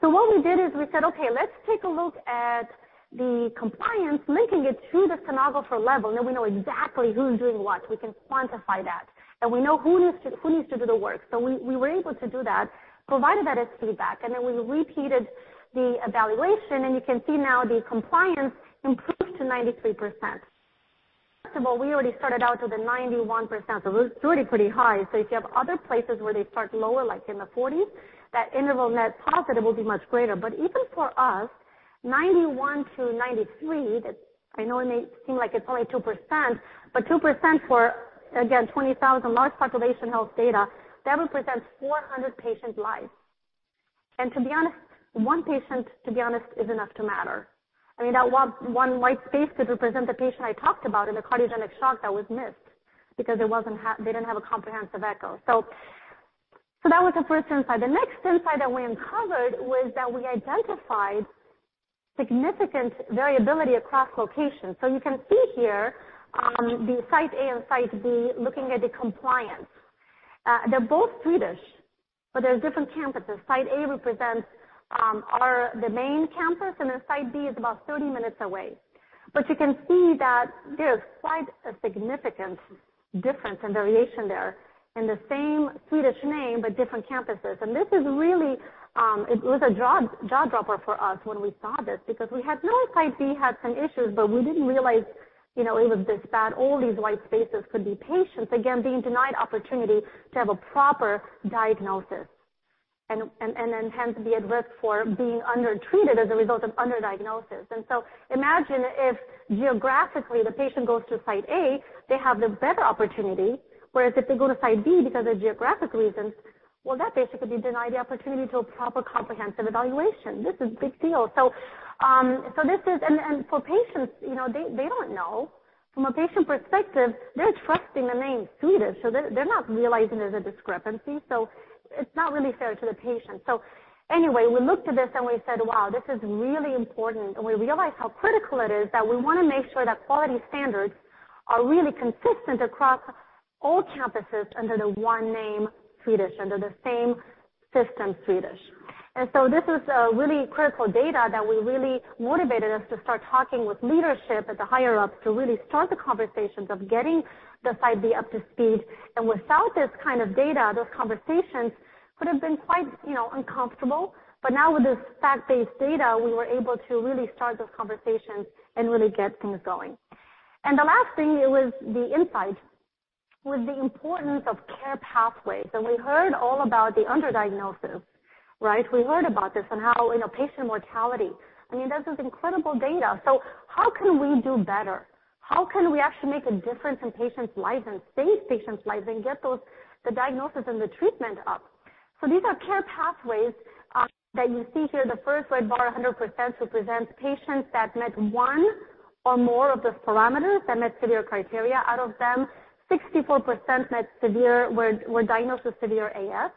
What we did is we said, "Okay, let's take a look at the compliance, linking it to the sonographer level. We know exactly who's doing what. We can quantify that, and we know who needs to do the work." We were able to do that, provided that it's feedback. We repeated the evaluation, and you can see now the compliance improved to 93%. First of all, we already started out to the 91%, so it was already pretty high. If you have other places where they start lower, like in the 40s, that interval net profit will be much greater. Even for us, 91 to 93, I know it may seem like it's only 2%, but 2% for, again, 20,000 large population health data, that represents 400 patient lives. To be honest, one patient, to be honest, is enough to matter. I mean, that one white space could represent the patient I talked about in the cardiogenic shock that was missed because they didn't have a comprehensive echo. That was the first insight. The next insight that we uncovered was that we identified significant variability across locations. You can see here the Site A and Site B, looking at the compliance. They're both Swedish, but they're different campuses. Site A represents the main campus, and then Site B is about 30 minutes away. You can see that there's quite a significant difference in variation there in the same Swedish name, but different campuses. This is really, it was a jaw-dropper for us when we saw this because we had known Site B had some issues, but we didn't realize it was this bad. All these white spaces could be patients, again, being denied opportunity to have a proper diagnosis. Then hence be at risk for being undertreated as a result of underdiagnosis. Imagine if geographically the patient goes to Site A, they have the better opportunity, whereas if they go to Site B because of geographic reasons, well, that basically denied the opportunity to a proper comprehensive evaluation. This is a big deal. For patients, they don't know. From a patient perspective, they're trusting the name Swedish. They're not realizing there's a discrepancy. It's not really fair to the patient. Anyway, we looked at this and we said, "Wow, this is really important." We realized how critical it is that we want to make sure that quality standards are really consistent across all campuses under the one name, Swedish, under the same system, Swedish. This is really critical data that really motivated us to start talking with leadership at the higher-ups to really start the conversations of getting the Site B up to speed. Without this kind of data, those conversations could have been quite uncomfortable. Now with this fact-based data, we were able to really start those conversations and really get things going. The last thing with the insight was the importance of care pathways. We heard all about the underdiagnosis. Right. We heard about this and how patient mortality. I mean, that's just incredible data. How can we do better? How can we actually make a difference in patients' lives and save patients' lives and get the diagnosis and the treatment up? These are care pathways that you see here. The first red bar, 100%, represents patients that met one or more of those parameters. That met severe criteria. Out of them, 64% were diagnosed with severe AS,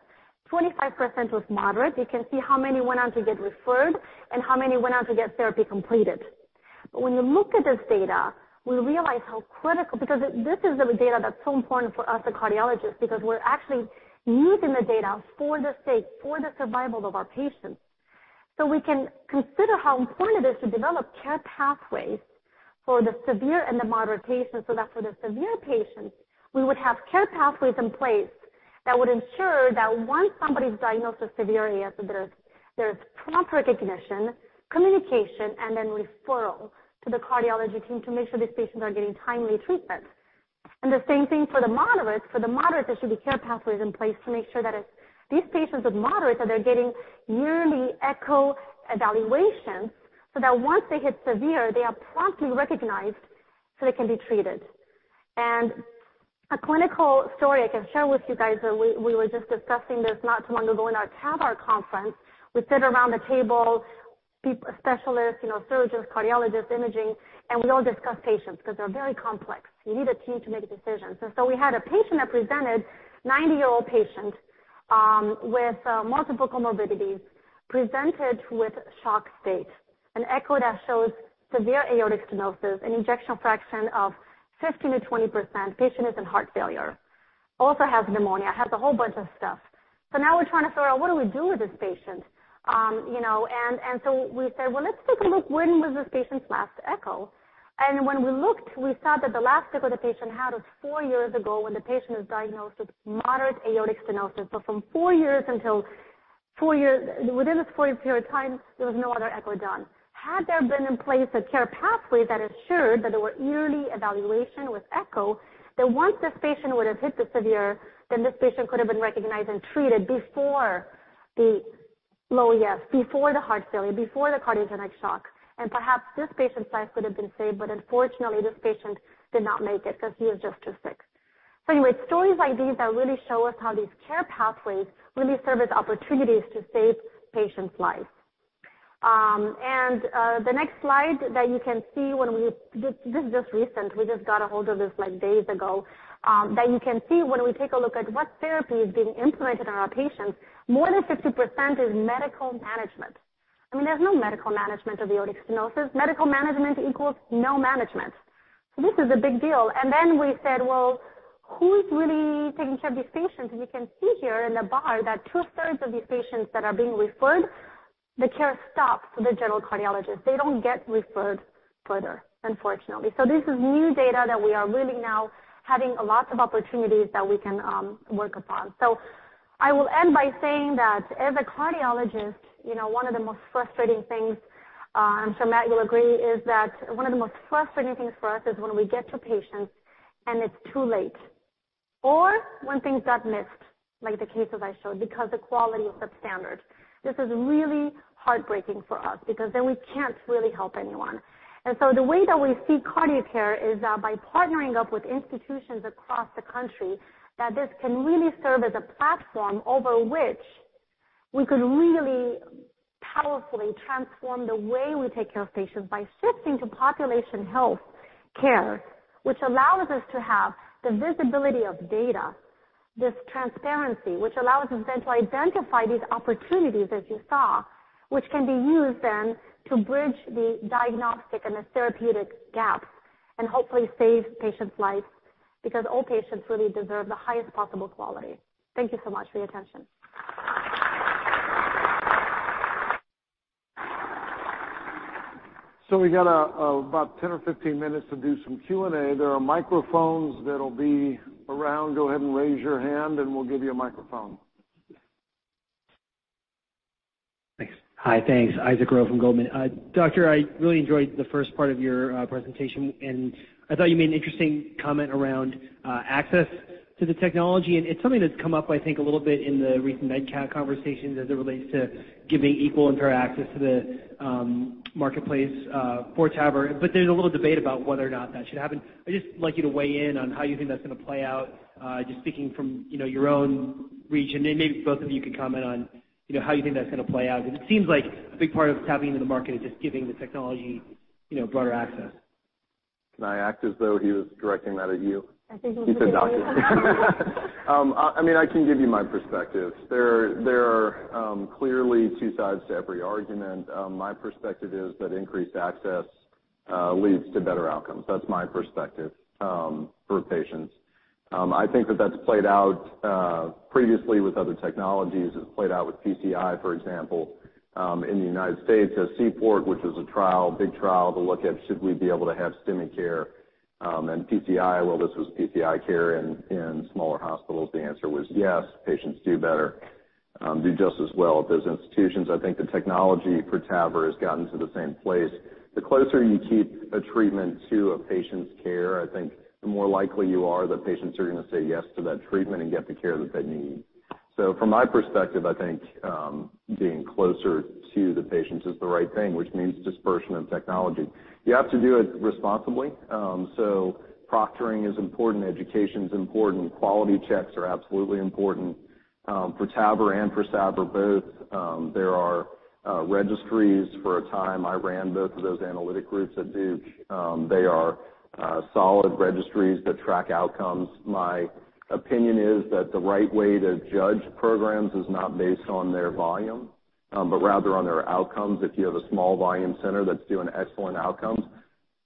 25% with moderate. You can see how many went on to get referred and how many went on to get therapy completed. When you look at this data, we realize how critical, because this is the data that's so important for us as cardiologists because we're actually needing the data for the sake, for the survival of our patients. We can consider how important it is to develop care pathways for the severe and the moderate patients so that for the severe patients, we would have care pathways in place that would ensure that once somebody's diagnosed with severe AS, that there's prompt recognition, communication, then referral to the cardiology team to make sure these patients are getting timely treatment. The same thing for the moderates. For the moderates, there should be care pathways in place to make sure that these patients with moderates are getting yearly echo evaluations so that once they hit severe, they are promptly recognized so they can be treated. A clinical story I can share with you guys, we were just discussing this not too long ago in our TAVR conference. We sit around the table, specialists, surgeons, cardiologists, imaging, and we all discuss patients because they're very complex. You need a team to make a decision. We had a patient that presented, 90-year-old patient with multiple comorbidities, presented with shock state, an echo that shows severe aortic stenosis and ejection fraction of 15%-20%. Patient is in heart failure, also has pneumonia, has a whole bunch of stuff. Now we're trying to figure out what do we do with this patient. We said, "Well, let's take a look. When was this patient's last echo?" When we looked, we saw that the last echo the patient had was four years ago when the patient was diagnosed with moderate aortic stenosis. From four years. Within this four-year period of time, there was no other echo done. Had there been in place a care pathway that assured that there were yearly evaluation with echo, then once this patient would have hit the severe, then this patient could have been recognized and treated before the low EF, before the heart failure, before the cardiogenic shock, and perhaps this patient's life could have been saved. Unfortunately, this patient did not make it because he was just too sick. Anyway, stories like these that really show us how these care pathways really serve as opportunities to save patients' lives. The next slide that you can see, this is just recent. We just got a hold of this days ago. That you can see when we take a look at what therapy is being implemented on our patients, more than 50% is medical management. I mean, there's no medical management of aortic stenosis. Medical management equals no management. This is a big deal. We said, "Well, who is really taking care of these patients?" You can see here in the bar that two-thirds of these patients that are being referred, the care stops with the general cardiologist. They don't get referred further, unfortunately. This is new data that we are really now having a lot of opportunities that we can work upon. I will end by saying that as a cardiologist, one of the most frustrating things, I'm sure Matt will agree, is that one of the most frustrating things for us is when we get to patients and it's too late, or when things got missed, like the cases I showed, because the quality is substandard. This is really heartbreaking for us because then we can't really help anyone. The way that we see cardiac care is by partnering up with institutions across the country, that this can really serve as a platform over which we could really powerfully transform the way we take care of patients by shifting to population health care. Which allows us to have the visibility of data, this transparency, which allows us then to identify these opportunities as you saw, which can be used then to bridge the diagnostic and the therapeutic gap and hopefully save patients' lives because all patients really deserve the highest possible quality. Thank you so much for your attention. We got about 10 or 15 minutes to do some Q&A. There are microphones that'll be around. Go ahead and raise your hand and we'll give you a microphone. Thanks. Hi. Thanks. Isaac Rowe from Goldman Sachs. Doctor, I really enjoyed the first part of your presentation. I thought you made an interesting comment around access to the technology. It's something that's come up I think a little bit in the recent MEDCAC conversations as it relates to giving equal and fair access to the marketplace for TAVR. There's a little debate about whether or not that should happen. I'd just like you to weigh in on how you think that's going to play out just speaking from your own region. Maybe both of you can comment on how you think that's going to play out, because it seems like a big part of tapping into the market is just giving the technology broader access. I think it was for you. He said Doctor. I mean, I can give you my perspective. There are clearly two sides to every argument. My perspective is that increased access leads to better outcomes. That's my perspective for patients. I think that that's played out previously with other technologies. It's played out with PCI, for example, in the U.S. C-PORT, which was a trial, big trial to look at should we be able to have STEMI care and PCI. This was PCI care in smaller hospitals. The answer was yes. Patients do better, do just as well at those institutions. I think the technology for TAVR has gotten to the same place. The closer you keep a treatment to a patient's care, I think the more likely you are that patients are going to say yes to that treatment and get the care that they need. From my perspective, I think being closer to the patients is the right thing, which means dispersion of technology. You have to do it responsibly. Proctoring is important. Education's important. Quality checks are absolutely important. For TAVR and for SAVR both, there are registries. For a time, I ran both of those analytic groups at Duke. They are solid registries that track outcomes. My opinion is that the right way to judge programs is not based on their volume but rather on their outcomes. If you have a small volume center that's doing excellent outcomes,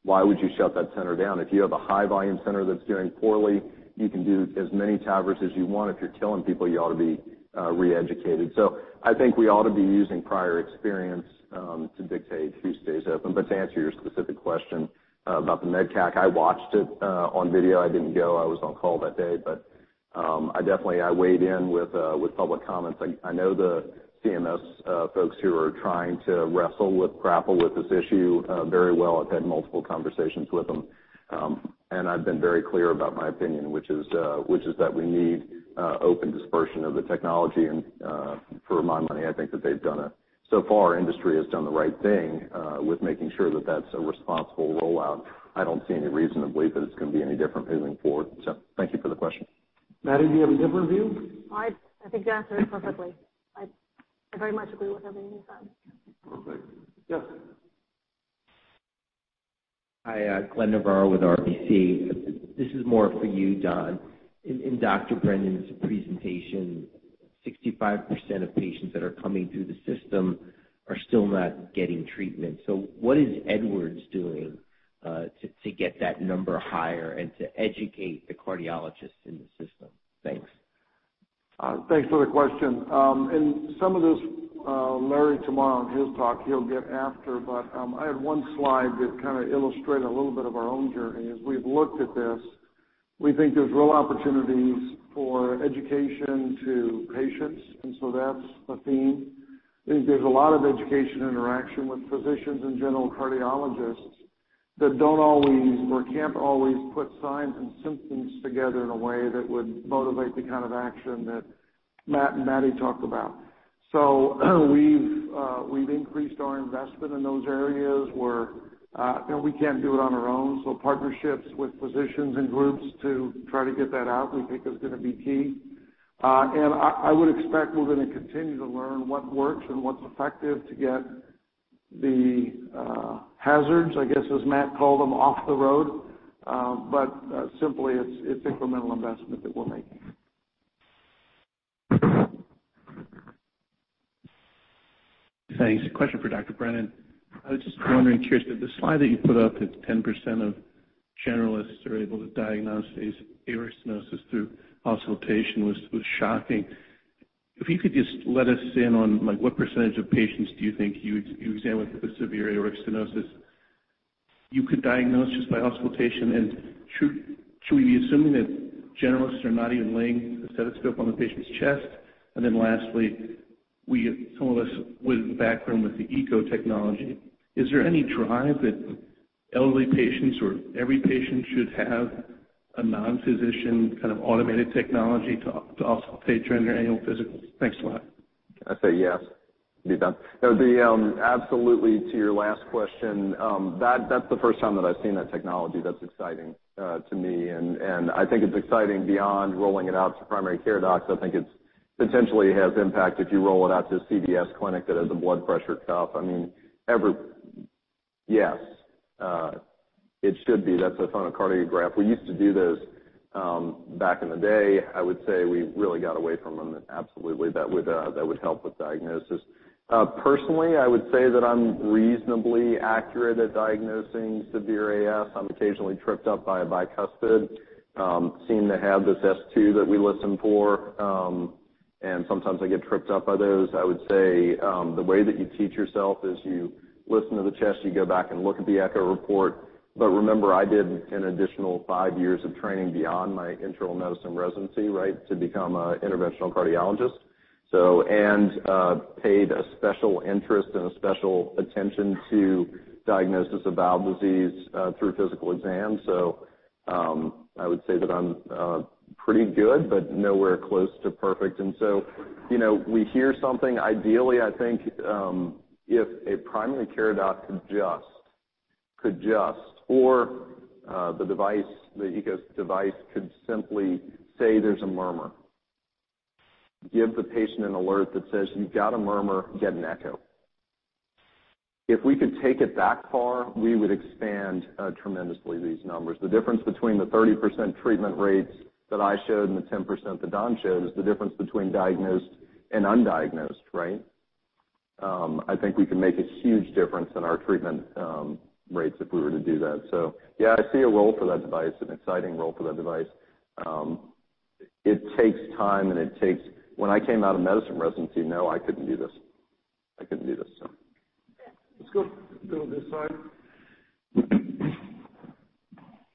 why would you shut that center down? If you have a high volume center that's doing poorly, you can do as many TAVRs as you want. If you're killing people, you ought to be re-educated. I think we ought to be using prior experience to dictate who stays open. To answer your specific question about the MEDCAC, I watched it on video. I didn't go. I was on call that day. I definitely weighed in with public comments. I know the CMS folks who are trying to wrestle with, grapple with this issue very well. I've had multiple conversations with them. I've been very clear about my opinion, which is that we need open dispersion of the technology. For my money, I think that industry has done the right thing with making sure that that's a responsible rollout. I don't see any reason to believe that it's going to be any different moving forward. Thank you for the question. Maddie, do you have a different view? I think you answered it perfectly. I very much agree with everything you said. Perfect. Yes. Hi, Glenn Novarro with RBC. This is more for you, Don. In Dr. Brennan's presentation, 65% of patients that are coming through the system are still not getting treatment. What is Edwards doing to get that number higher and to educate the cardiologists in the system? Thanks. Thanks for the question. Some of this, Larry, tomorrow in his talk, he'll get after, but I had one slide that kind of illustrated a little bit of our own journey. As we've looked at this, we think there's real opportunities for education to patients, and so that's a theme. I think there's a lot of education interaction with physicians and general cardiologists that don't always or can't always put signs and symptoms together in a way that would motivate the kind of action that Matt and Maddie talk about. We've increased our investment in those areas where we can't do it on our own. Partnerships with physicians and groups to try to get that out, we think is going to be key. I would expect we're going to continue to learn what works and what's effective to get the hazards, I guess, as Matt called them, off the road. Simply, it's incremental investment that we're making. Thanks. A question for Dr. Brennan. I was just wondering, curious that the slide that you put up that 10% of generalists are able to diagnose aortic stenosis through auscultation was shocking. If you could just let us in on what percentage of patients do you think you examined with severe aortic stenosis you could diagnose just by auscultation? Should we be assuming that generalists are not even laying the stethoscope on the patient's chest? Lastly, some of us was in the backroom with the Eko technology. Is there any drive that elderly patients or every patient should have a non-physician kind of automated technology to auscultate during their annual physicals? Thanks a lot. I'd say yes. Be done. No, absolutely to your last question, that's the first time that I've seen that technology. That's exciting to me, and I think it's exciting beyond rolling it out to primary care docs. I think it potentially has impact if you roll it out to a CVS clinic that has a blood pressure cuff. I mean, every Yes. It should be. That's a phonocardiograph. We used to do those back in the day. I would say we really got away from them. Absolutely, that would help with diagnosis. Personally, I would say that I'm reasonably accurate at diagnosing severe AS. I'm occasionally tripped up by a bicuspid, seem to have this S2 that we listen for, and sometimes I get tripped up by those. I would say the way that you teach yourself is you listen to the chest, you go back and look at the echo report. Remember, I did an additional five years of training beyond my internal medicine residency, right, to become an interventional cardiologist. Paid a special interest and a special attention to diagnosis of valve disease through physical exams. I would say that I'm pretty good, but nowhere close to perfect. We hear something, ideally, I think if a primary care doc could just, or the device, the Eko device could simply say there's a murmur. Give the patient an alert that says, "You've got a murmur, get an echo." If we could take it that far, we would expand tremendously these numbers. The difference between the 30% treatment rates that I showed and the 10% that Don showed is the difference between diagnosed and undiagnosed, right? I think we can make a huge difference in our treatment rates if we were to do that. Yeah, I see a role for that device, an exciting role for that device. It takes time. When I came out of medicine residency, no, I couldn't do this. I couldn't do this. Let's go this side.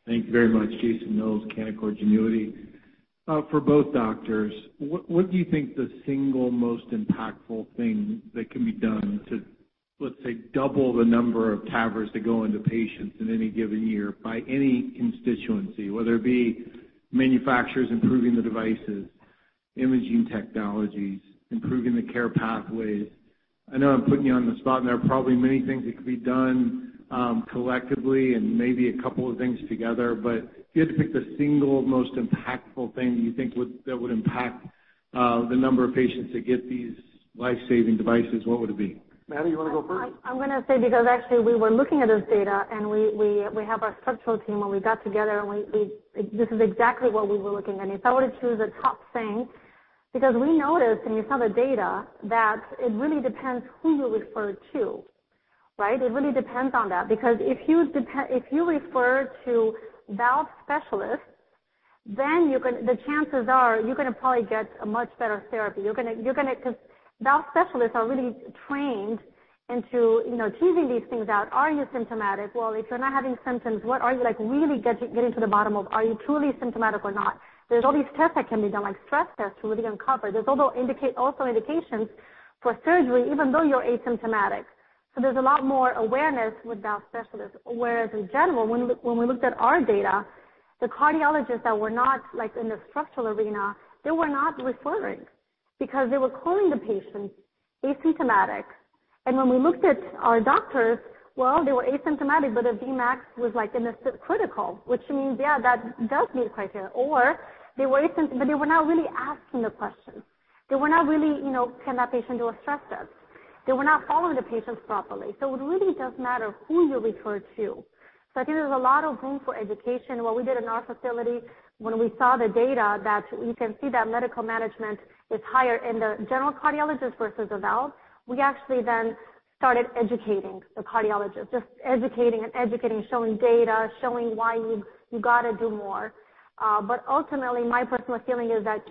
Thank you very much. Jason Mills, Canaccord Genuity. For both doctors, what do you think the single most impactful thing that can be done to Let's say double the number of TAVRs that go into patients in any given year by any constituency, whether it be manufacturers improving the devices, imaging technologies, improving the care pathways. I know I'm putting you on the spot, and there are probably many things that could be done collectively and maybe a couple of things together. If you had to pick the single most impactful thing that you think that would impact the number of patients that get these life-saving devices, what would it be? Maddie, you want to go first? I'm going to say, because actually we were looking at this data, we have our structural team, we got together, this is exactly what we were looking. If I were to choose a top thing, because we noticed, and you saw the data, that it really depends who you refer to. It really depends on that, because if you refer to valve specialists, the chances are you're going to probably get a much better therapy. Valve specialists are really trained into teasing these things out. Are you symptomatic? Well, if you're not having symptoms, what are you like, really getting to the bottom of, are you truly symptomatic or not? There's all these tests that can be done, like stress tests, to really uncover. There's also indications for surgery even though you're asymptomatic. There's a lot more awareness with valve specialists. Whereas in general, when we looked at our data, the cardiologists that were not in the structural arena, they were not referring because they were calling the patients asymptomatic. When we looked at our doctors, well, they were asymptomatic, but their Vmax was in the critical, which means, yeah, that does meet criteria. They were asymptomatic, but they were not really asking the questions. They were not really, can that patient do a stress test? They were not following the patients properly. It really does matter who you refer to. I think there's a lot of room for education. What we did in our facility, when we saw the data that we can see that medical management is higher in the general cardiologist versus a valve, we actually then started educating the cardiologist. Just educating and educating, showing data, showing why you've got to do more. Ultimately, my personal feeling is that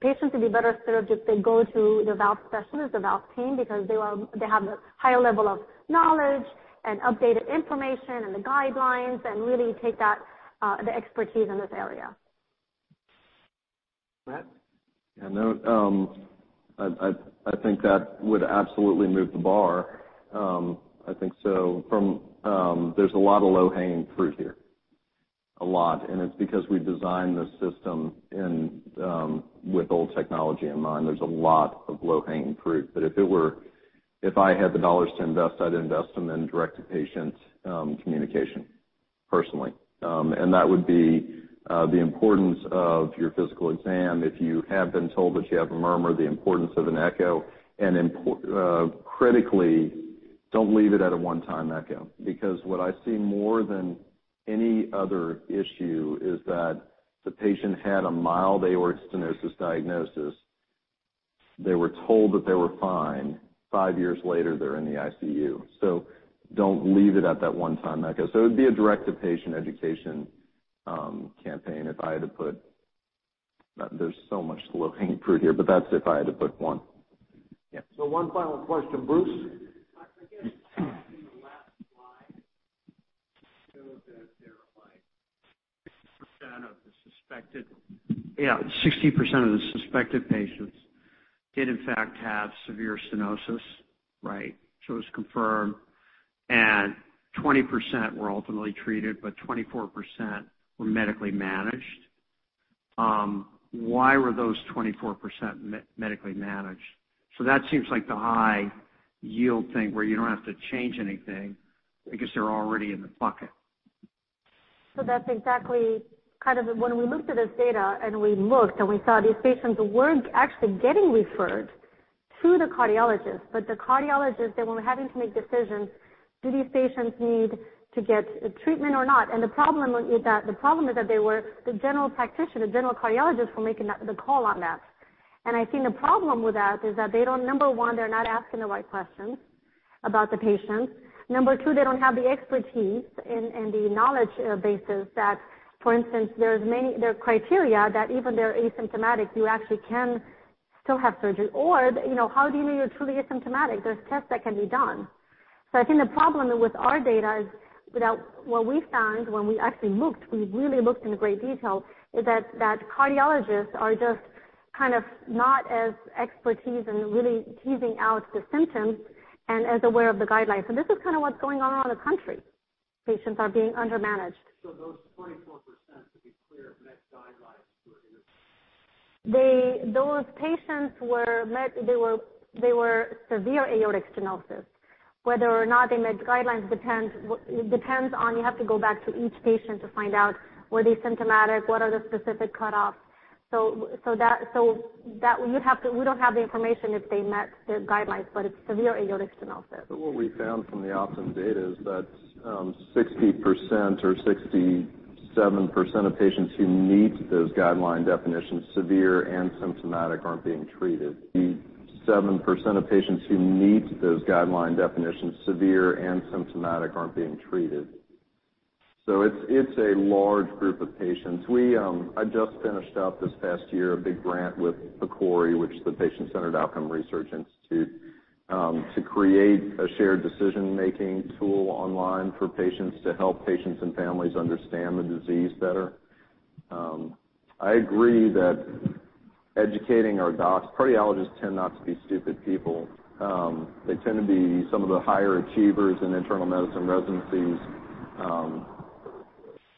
patients would be better served if they go to the valve specialist, the valve team, because they have the higher level of knowledge and updated information and the guidelines, and really take the expertise in this area. Matt? I think that would absolutely move the bar. I think so. There's a lot of low-hanging fruit here, a lot, and it's because we designed the system with old technology in mind. There's a lot of low-hanging fruit. If I had the dollars to invest, I'd invest them in direct-to-patient communication, personally. That would be the importance of your physical exam if you have been told that you have a murmur, the importance of an echo, and critically, don't leave it at a one-time echo. Because what I see more than any other issue is that the patient had a mild aortic stenosis diagnosis. They were told that they were fine. Five years later, they're in the ICU. Don't leave it at that one-time echo. It would be a direct-to-patient education campaign if I had to put. There's so much low-hanging fruit here, that's if I had to put one. Yeah. One final question. Bruce? I guess in the last slide, it showed that there are like 60% of the suspected patients did in fact have severe stenosis. It was confirmed, 20% were ultimately treated, 24% were medically managed. Why were those 24% medically managed? That seems like the high-yield thing where you don't have to change anything because they're already in the bucket. When we looked at this data, and we saw these patients weren't actually getting referred to the cardiologist. The cardiologist, they were having to make decisions, do these patients need to get treatment or not? The problem is that the general practitioner, the general cardiologist were making the call on that. I think the problem with that is that they don't, number one, they're not asking the right questions about the patients. Number two, they don't have the expertise and the knowledge bases that, for instance, there are criteria that even though they're asymptomatic, you actually can still have surgery. How do you know you're truly asymptomatic? There's tests that can be done. I think the problem with our data is, what we found when we actually looked, we really looked in great detail, is that cardiologists are just not as expertise in really teasing out the symptoms and as aware of the guidelines. This is what's going on around the country. Patients are being under-managed. Those 24%, to be clear, met guidelines for intervention. Those patients were severe aortic stenosis. Whether or not they met guidelines depends on, you have to go back to each patient to find out were they symptomatic? What are the specific cutoffs? We don't have the information if they met the guidelines, but it's severe aortic stenosis. What we found from the Optum data is that 60% or 67% of patients who meet those guideline definitions, severe and symptomatic, aren't being treated. The 67% of patients who meet those guideline definitions, severe and symptomatic, aren't being treated. It's a large group of patients. I just finished up this past year a big grant with PCORI, which is the Patient-Centered Outcomes Research Institute to create a shared decision-making tool online for patients to help patients and families understand the disease better. I agree that educating our docs. Cardiologists tend not to be stupid people. They tend to be some of the higher achievers in internal medicine residencies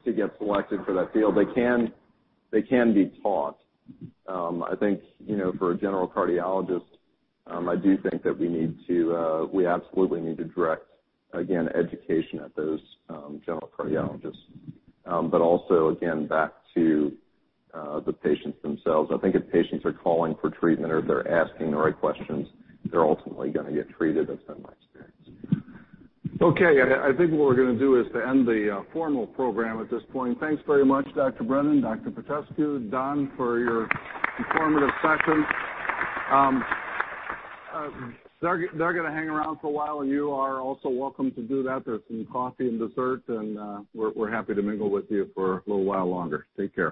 to get selected for that field. They can be taught. I think for a general cardiologist, I do think that we absolutely need to direct, again, education at those general cardiologists. Also, again, back to the patients themselves. I think if patients are calling for treatment or if they're asking the right questions, they're ultimately going to get treated. That's been my experience. Okay. I think what we're going to do is to end the formal program at this point. Thanks very much, Dr. Brennan, Dr. Petrescu, Don, for your informative session. They're going to hang around for a while, and you are also welcome to do that. There's some coffee and dessert, and we're happy to mingle with you for a little while longer. Take care.